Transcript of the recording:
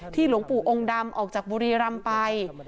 หลวงปู่องค์ดำออกจากบุรีรำไป